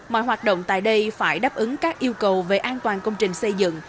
mọi hoạt động tại đây phải đáp ứng các yêu cầu về an toàn công trình xây dựng